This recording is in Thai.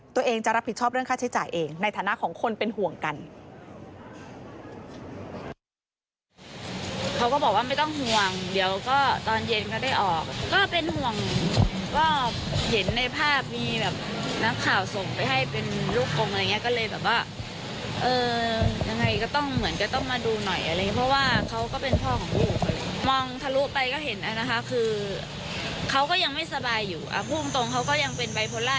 ตัวเองจะรับผิดชอบเรื่องค่าใช้จ่ายเองในฐานะของคนเป็นห่วงกัน